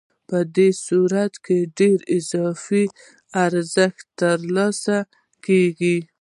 په دې صورت کې ډېر اضافي ارزښت ترلاسه کېږي